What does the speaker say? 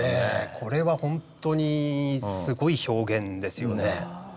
これはほんとにすごい表現ですよね。